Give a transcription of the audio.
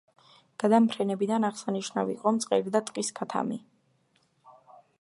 გადამფრენებიდან აღსანიშნავი იყო მწყერი და ტყის ქათამი.